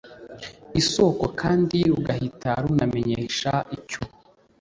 isoko kandi rugahita runamenyesha icyo